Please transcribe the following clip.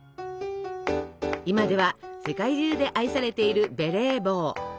今では世界中で愛されているベレー帽。